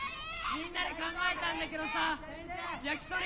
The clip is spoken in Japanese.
みんなで考えたんだけどさヤキトリ